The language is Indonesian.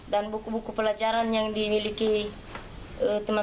dan buku buku pelajaran yang dimiliki teman teman